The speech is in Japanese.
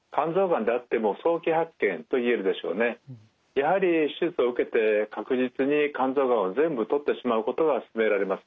やはり手術を受けて確実に肝臓がんを全部取ってしまうことが勧められます。